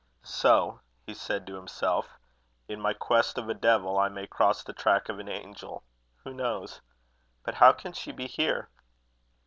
"So," said he to himself, "in my quest of a devil, I may cross the track of an angel, who knows? But how can she be here?"